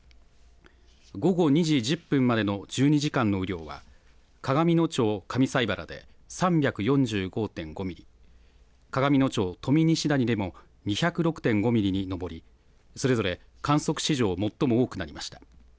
午後２時１０分までの１２時間の雨量は、鏡野町上齋原で３４５．５ミリ、鏡野町富西谷でも２０６．５ミリに上り、それぞれ観測史上最も多くなりました。